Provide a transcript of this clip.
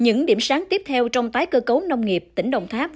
những điểm sáng tiếp theo trong tái cơ cấu nông nghiệp tỉnh đồng tháp